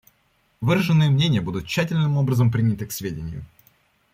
Выраженные мнения будут тщательным образом приняты к сведению.